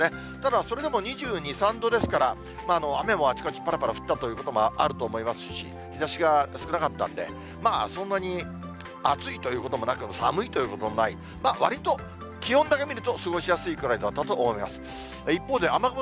ただ、それでも２２、３度ですから、雨もあちこち、ぱらぱら降ったということもありますし、日ざしが少なかったんで、そんなに暑いということもなく、寒いということもない、わりと気温だけ見ると過ごしやすいくらいだったと思います。